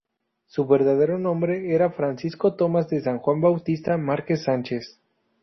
Su verdadero nombre era Francisco Tomás de San Juan Bautista Márquez Sánchez.